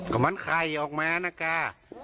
กำมันใครออกมานะคะ